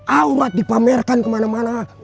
awad dipamerkan kemana mana